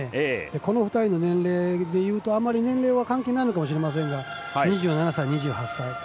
この２人の年齢で言うとあまり年齢は関係ないのかもしれませんが２７歳、２８歳。